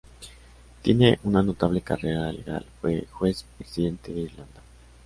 Tiene una notable carrera legal, fue Juez Presidente de Irlanda.